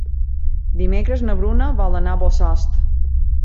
Dimecres na Bruna vol anar a Bossòst.